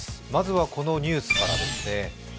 まずはこのニュースからですね。